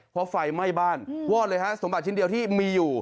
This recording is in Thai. เพราะไฟไหม้บ้านวอดเลยฮะสมบัติชิ้นเดียวที่มีอยู่